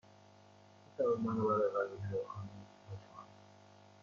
می توانید مرا برای غذا بیدار کنید، لطفا؟